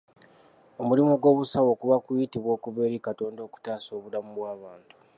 Omulimu gw'obusawo kuba kuyitibwa okuva eri Katonda okutaasa obulamu bw'abantu.